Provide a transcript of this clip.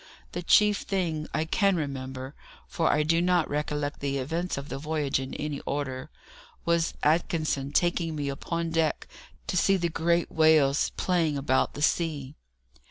The chief thing I can remember (for I do not recollect the events of the voyage in any order) was Atkinson taking me upon deck to see the great whales playing about the sea.